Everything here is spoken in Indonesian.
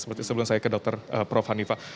seperti sebelum saya ke dokter prof hanifah